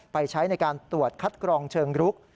ใช้ในการตรวจคัดกรองเชิงรุก